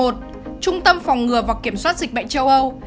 trung tâm phòng ngừa và kiểm soát dịch bệnh châu âu